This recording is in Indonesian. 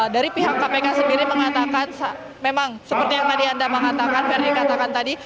dari pihak kpk sendiri mengatakan memang seperti yang tadi anda mengatakan verdi katakan tadi